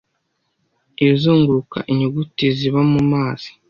izunguruka inyuguti ziba mumazi